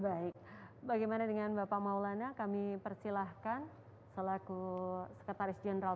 baik bagaimana dengan bapak maulana kami persilahkan selaku sekretaris jenderal